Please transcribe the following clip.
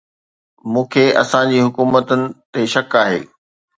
مون کي اسان جي حڪومتن تي شڪ آهي